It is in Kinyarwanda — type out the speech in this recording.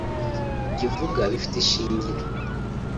Ibyo uvuga bifite ishingiro